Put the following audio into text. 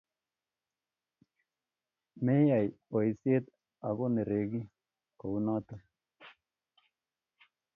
meyay boishet ago neregik kunoto